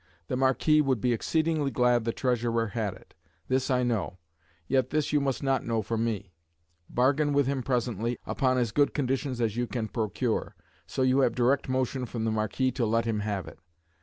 The Marquis would be exceeding glad the Treasurer had it. This I know; yet this you must not know from me. Bargain with him presently, upon as good conditions as you can procure, so you have direct motion from the Marquis to let him have it.